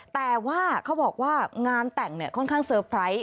แต่ว่าเขาบอกว่างานแต่งค่อนข้างเซอร์ไพรส์